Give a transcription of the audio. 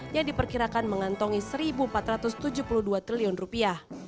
yang diperkirakan mengantongi satu empat ratus tujuh puluh dua triliun rupiah